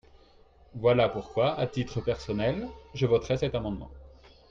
Voilà pourquoi, à titre personnel, je voterai cet amendement.